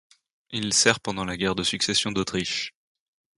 Il sert pendant la guerre de succession d'Autriche.